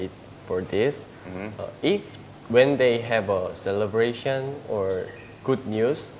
คุณเมซันเป็นคน